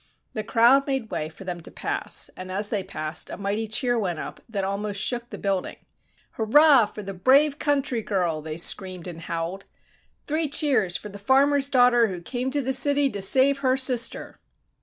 The crowd made way for them to pass, and as they passed a mighty cheer went up that almost shook the building. "Hurrah for the brave country girl!" they screamed and howled. "Three cheers for the farmer's daughter who came to the city to save her sister!"